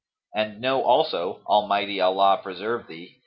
And know also (Almighty Allah preserve thee!)